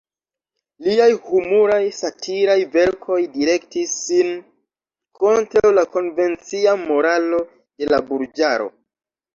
Liaj humuraj, satiraj verkoj direktis sin kontraŭ la konvencia moralo de la burĝaro.